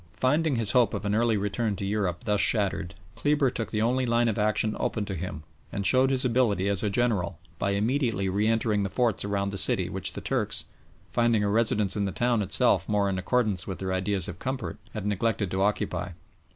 Finding his hope of an early return to Europe thus shattered, Kleber took the only line of action open to him, and showed his ability as a general by immediately re entering the forts around the city which the Turks, finding a residence in the town itself more in accordance with their ideas of comfort, had neglected to occupy.